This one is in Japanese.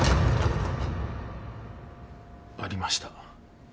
ありました。